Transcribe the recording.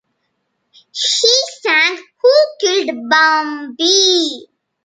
He sang Who Killed Bambi?